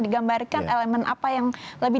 digambarkan elemen apa yang lebih